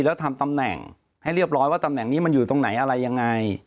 แล้วทำตำแหน่งให้เรียบร้อยว่าตำแหน่งนี้มันอยู่ตรงไหนอะไรยังไง